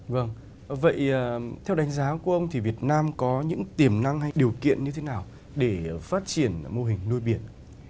vâng vậy theo đánh giá của ông thì việt nam có những tiềm năng hay điều kiện như thế nào để phát triển mô hình nuôi biển